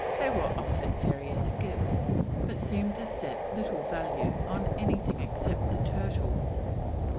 They were offered various gifts, but seemed to set little value on anything except the turtles.